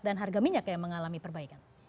dan harga minyak yang mengalami perbaikan